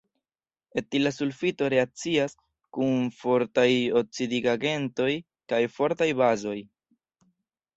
Etila sulfito reakcias kun fortaj oksidigagentoj kaj fortaj bazoj.